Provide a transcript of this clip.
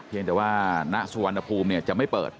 เพียงแต่ว่าหน้าสวรรณภูมิเนี่ยจะไม่เปิด